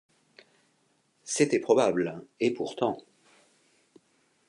C’était probable ; et pourtant